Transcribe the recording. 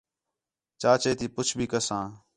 چاچے تی پُچھ بھی کساں